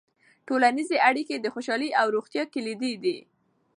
ټولنیزې اړیکې د خوشحالۍ او روغتیا کلیدي دي.